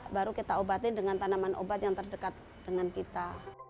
baru kita obatin dengan tanaman obat yang terdekat dengan kita